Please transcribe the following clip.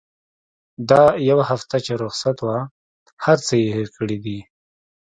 دا يوه هفته چې رخصت وه هرڅه يې هېر کړي دي.